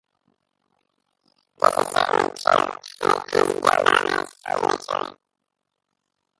This is certainly true as Bilbo has fully matured.